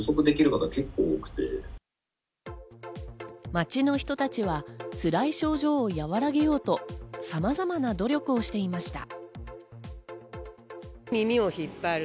街の人たちはつらい症状を和らげようと、さまざまな努力をしていました。